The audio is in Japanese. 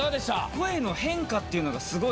声の変化っていうのがすごい。